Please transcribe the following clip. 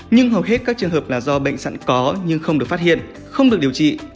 nhưng hầu hết các trường hợp là do bệnh sẵn có nhưng không được phát hiện không được điều trị